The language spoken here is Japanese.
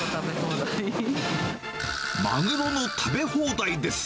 マグロの食べ放題です。